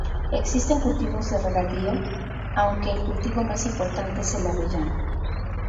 Existen cultivos de regadío aunque el cultivo más importante es el avellano.